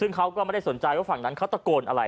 ซึ่งเขาก็ไม่ได้สนใจว่าฝั่งนั้นเขาตะโกนอะไร